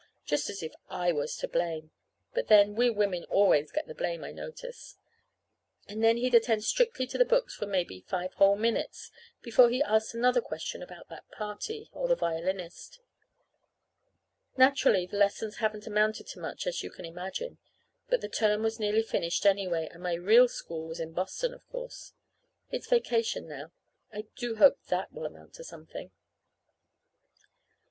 Just as if I was to blame! (But, then, we women always get the blame, I notice.) And then he'd attend strictly to the books for maybe five whole minutes before he asked another question about that party, or the violinist. Naturally the lessons haven't amounted to much, as you can imagine. But the term was nearly finished, anyway; and my real school is in Boston, of course. It's vacation now. I do hope that will amount to something!